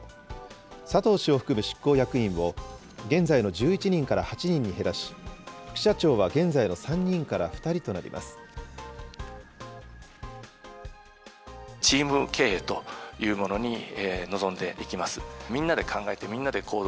佐藤氏を含む執行役員を、現在の１１人から８人に減らし、副社長は現在の３人から２人となります。